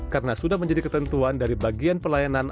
karena sudah menjadi ketentuan dari bagian pelayanan